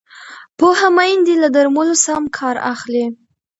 پوهه میندې له درملو سم کار اخلي۔